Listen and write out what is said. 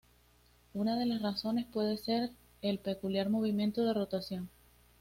Una de las razones puede ser el peculiar movimiento de rotación.